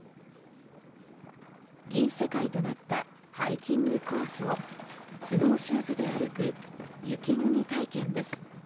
銀世界となったハイキングコースをスノーシューズで歩く雪国体験です。